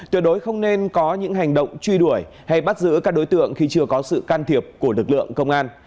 tuyệt đối không nên có những hành động truy đuổi hay bắt giữ các đối tượng khi chưa có sự can thiệp của lực lượng công an